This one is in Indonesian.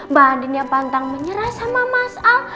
mbak andin yang pantang menyerah sama mas al